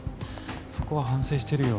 そこは反省してるよ。